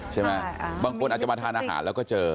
บางคนอาจจะมาทานอาหารแล้วก็เจอ